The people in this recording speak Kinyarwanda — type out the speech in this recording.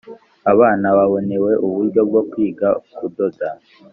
Abana babonewe uburyo bwo kwiga kudoda